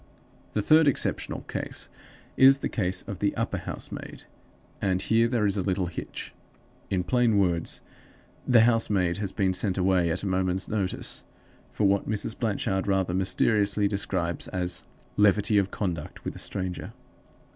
The third exceptional case is the case of the upper housemaid; and here there is a little hitch. In plain words, the housemaid has been sent away at a moment's notice, for what Mrs. Blanchard rather mysteriously describes as 'levity of conduct with a stranger.